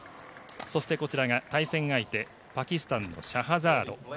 そしてこちらが対戦相手パキスタンのシャハザード。